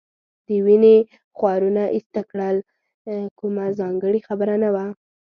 د وینې خورونه ایسته کړل، کومه ځانګړې خبره نه وه.